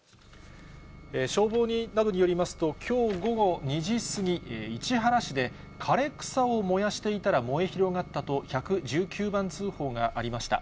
消防などによりますと、きょう午後２時過ぎ、市原市で枯れ草を燃やしていたら燃え広がったと１１９番通報がありました。